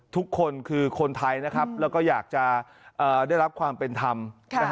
ทุกคนคือคนไทยนะครับแล้วก็อยากจะได้รับความเป็นธรรม